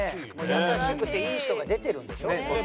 優しくていい人が出てるんでしょ？